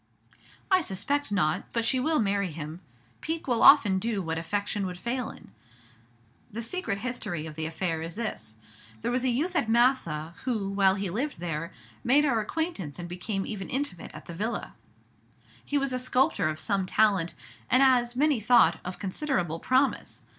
"I suspect not; but she will marry him. Pique will often do what affection would fail in. The secret history of the affair is this: There was a youth at Massa, who, while he lived there, made our acquaintance and became even intimate at the Villa: he was a sculptor of some talent, and, as many thought, of considerable promise.